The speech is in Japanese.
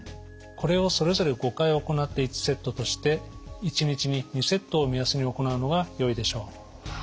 これをそれぞれ５回行って１セットとして１日に２セットを目安に行うのがよいでしょう。